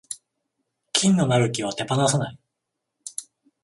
金のなる木は手放さない